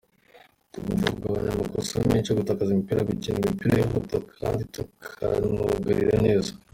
Tugomba kugabanya amakosa menshi mu gutakaza imipira, gukina imipira yihuta kandi tukanugarira neza.